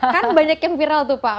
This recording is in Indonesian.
kan banyak yang viral tuh pak